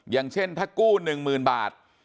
อย่างเช่นถ้ากู้หนึ่งหมื่นบาท